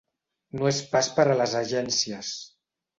No és pas per a les agències.